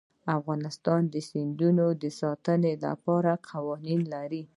افغانستان د سیندونه د ساتنې لپاره قوانین لري.